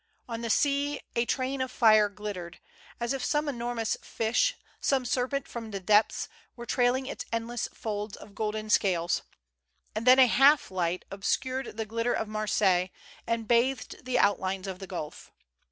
On the sea a train of fire glittered, as if some enormous fish, some serpent from the depths, were trailing its endless folds of golden scales; and then a half light obscured the 8 180 DISCOVERED. glitter of Marseilles, and bathed the outlines of the gulf.